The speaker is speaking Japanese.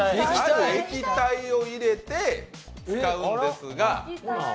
液体を入れて使うんですが。